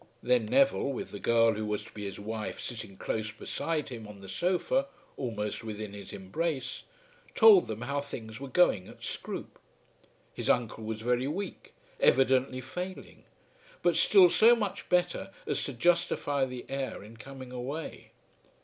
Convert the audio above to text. Then Neville, with the girl who was to be his wife sitting close beside him on the sofa, almost within his embrace, told them how things were going at Scroope. His uncle was very weak, evidently failing; but still so much better as to justify the heir in coming away.